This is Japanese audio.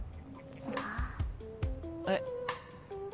えっ？